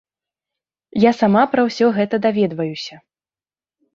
Я сама пра ўсё гэта даведваюся.